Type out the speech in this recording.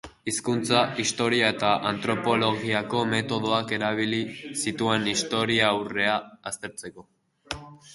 Hizkuntza, historia eta antropologiako metodoak erabili zituen historiaurrea aztertzeko.